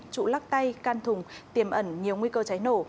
trụ lắc tay can thùng tiềm ẩn nhiều nguy cơ cháy nổ